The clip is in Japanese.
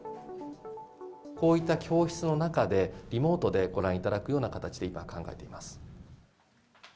こういった教室の中で、リモートでご覧いただくような形で今考えています。